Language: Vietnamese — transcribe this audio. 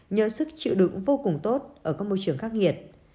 nhờ sức chịu đựng vô cùng tốt ở các môi trường khắc nghiệt